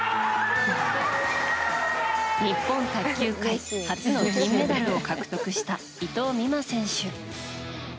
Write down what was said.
日本卓球界初の金メダルを獲得した伊藤美誠選手。